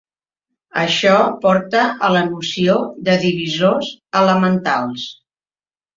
Això porta a la noció de divisors elementals.